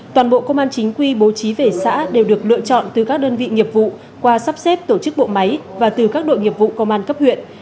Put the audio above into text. toàn bộ công an chính quy bố trí về xã đều được lựa chọn từ các đơn vị nghiệp vụ qua sắp xếp tổ chức bộ máy và từ các đội nghiệp vụ công an cấp huyện